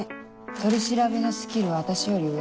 取り調べのスキルは私より上。